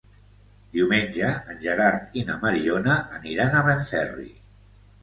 Diumenge en Gerard i na Mariona aniran a Benferri.